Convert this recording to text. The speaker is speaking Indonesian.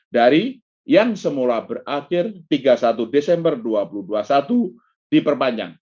dari yang semula berakhir tiga puluh satu desember dua ribu dua puluh satu diperpanjang